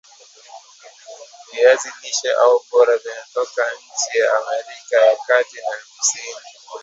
viazi lishe au bora vimetoka nchi ya Amerika ya Kati na ya Kusini